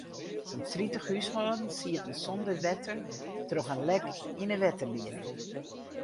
Sa'n tritich húshâldens sieten sonder wetter troch in lek yn de wetterlieding.